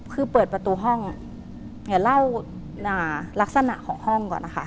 คือเปิดประตูห้องเดี๋ยวเล่าลักษณะของห้องก่อนนะคะ